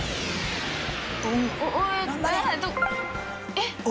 えっ！